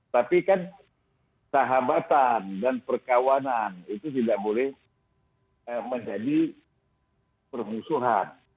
tapi kan sahabatan dan perkawanan itu tidak boleh menjadi permusuhan